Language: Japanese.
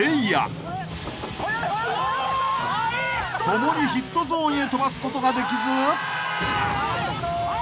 ［ともにヒットゾーンへ飛ばすことができず］